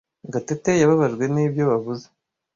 Gatete yababajwe nibyo wavuze.